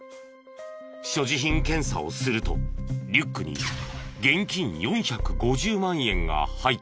所持品検査をするとリュックに現金４５０万円が入っていた。